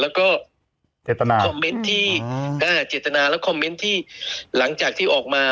แล้วก็เจตนาแล้วคอมเม้นท์ที่หลังจากที่ออกมา